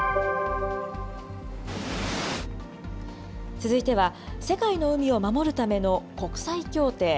続いては、世界の海を守るための国際協定。